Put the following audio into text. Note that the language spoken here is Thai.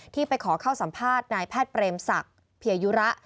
ที่ไปขอเข้าสัมภาษณ์นายแพทย์เปรมศักดิ์เพียยุระ